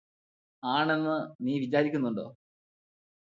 ആണെന്ന് നീ വിചാരിക്കുന്നുണ്ടോ